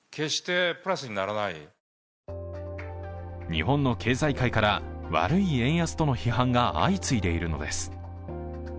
日本の経済界から悪い円安との批判が相次いでいるのです。